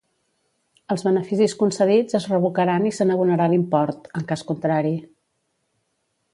Els beneficis concedits es revocaran i se n'abonarà l'import, en cas contrari.